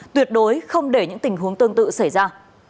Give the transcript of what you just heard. tuyệt đối không để những tình huống tương tự xảy ra